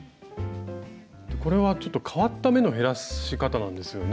これはちょっと変わった目の減らし方なんですよね。